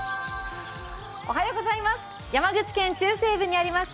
山口県中西部にあります